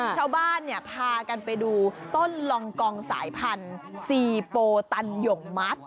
ชาวบ้านพากันไปดูต้นลองกองสายพันธุ์ซีโปตันหย่งมัส